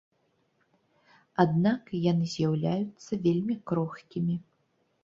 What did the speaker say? Аднак, яны з'яўляюцца вельмі крохкімі.